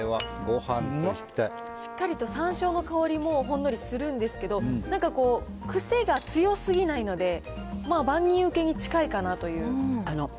しっかりとさんしょうの香りもほんのりするんですけど、なんかこう、癖が強すぎないので、まあ万人受けに近いかなという。